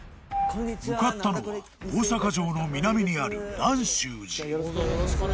［向かったのは大阪城の南にある南宗寺］